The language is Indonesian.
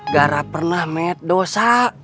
gara pernah met dosa